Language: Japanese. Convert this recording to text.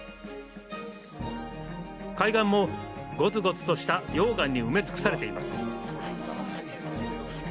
海岸も、ごつごつとした溶岩に埋め尽くされています。